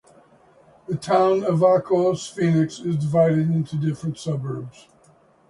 The town of Vacoas-Phoenix is divided into different suburbs.